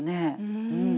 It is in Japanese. うん。